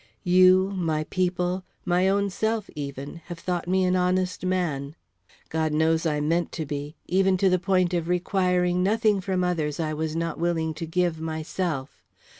You, my people, my own self even, have thought me an honest man. God knows I meant to be, even to the point of requiring nothing from others I was not willing to give myself.